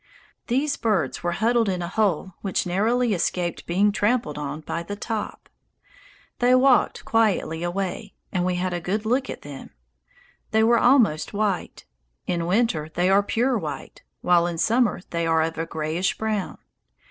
These birds were huddled in a hole which narrowly escaped being trampled on by Top. They walked quietly away, and we had a good look at them. They were almost white; in winter they are pure white, while in summer they are of a grayish brown.